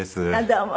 どうも。